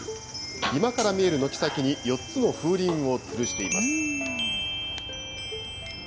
居間から見える軒先に４つの風鈴をつるしています。